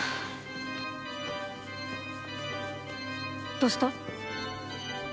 どうした？